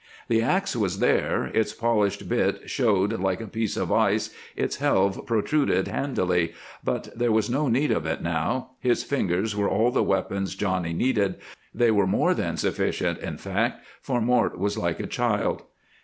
The ax was there, its polished bit showed like a piece of ice, its helve protruded handily, but there was no need of it now; his fingers were all the weapons Johnny needed; they were more than sufficient, in fact, for Mort was like a child.